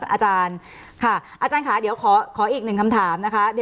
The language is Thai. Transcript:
อาจารย์ค่ะอาจารย์ค่ะเดี๋ยวขออีกหนึ่งคำถามนะคะ